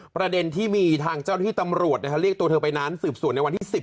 ประเด็นที่มีทางเจ้าที่ตำรวจเนี้ยฮะเรียกตัวเธอไปน้านสืบสวนในวันที่สิบ